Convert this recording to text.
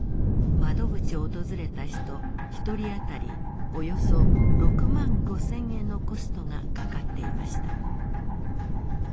窓口を訪れた人１人当たりおよそ６万５，０００円のコストがかかっていました。